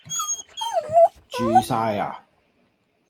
住晒呀